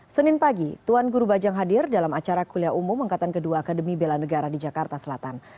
senin pagi tuan guru bajang hadir dalam acara kuliah umum angkatan kedua akademi bela negara di jakarta selatan